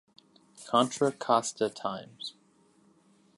Contra Costa Times.